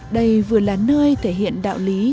đây vừa là nơi thể hiện đạo lý